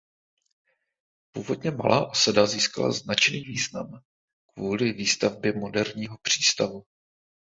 Původně malá osada získala značný význam kvůli výstavbě moderního přístavu.